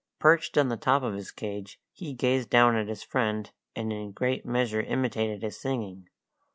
Perched on the top of his cage, he gazed down at his friend, and in great measure imitated his singing.